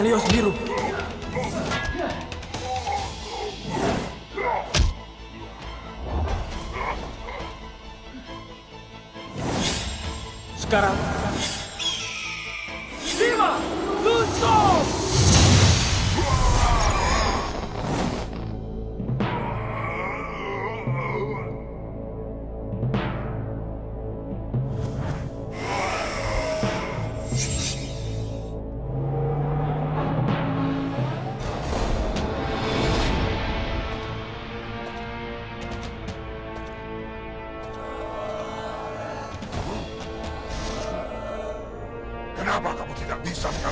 coba semakin banyak bench